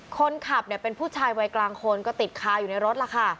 คนขับเป็นผู้ชายวัยกลางคนก็ติดคาอยู่ในรถล่ะค่ะ